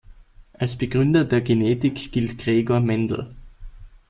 Als Begründer der Genetik gilt Gregor Mendel.